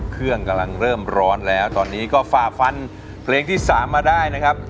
กำลังเริ่มร้อนแล้วตอนนี้ก็ฝ่าฟันเพลงที่๓มาได้นะครับ